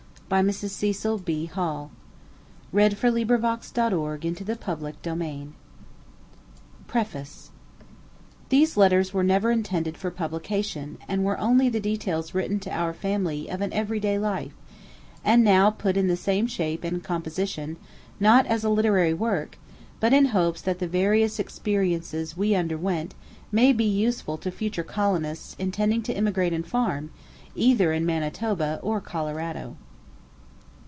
BY MRS. CECIL HALL. PREFACE. These letters were never intended for publication, and were only the details written to our family of an every day life, and now put in the same shape and composition; not as a literary work, but in hopes that the various experiences we underwent may be useful to future colonists intending to emigrate and farm, either in Manitoba or Colorado.